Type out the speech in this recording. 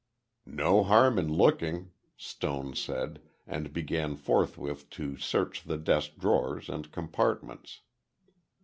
"No harm in looking," Stone said, and began forthwith to search the desk drawers and compartments.